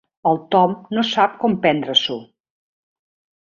El Tom no sap com prendre-s'ho.